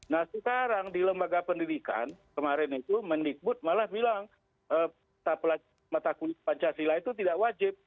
nah sekarang di lembaga pendidikan kemarin itu mendikbud malah bilang mata kuliah pancasila itu tidak wajib